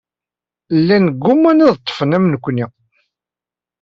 Llan sguman ad d-ṭṭfen amnekni.